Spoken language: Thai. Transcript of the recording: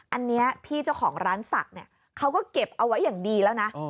อันนี้พี่เจ้าของร้านศักดิ์เนี่ยเขาก็เก็บเอาไว้อย่างดีแล้วนะ